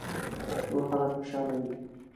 نور خلک خوشاله وي .